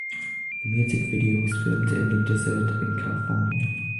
The music video was filmed in the desert in California.